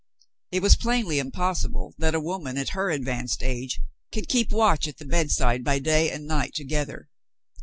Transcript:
It was plainly impossible that a woman, at her advanced age, could keep watch at the bedside by day and night together.